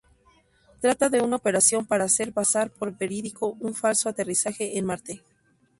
Trata de una operación para hacer pasar por verídico un falso aterrizaje en Marte.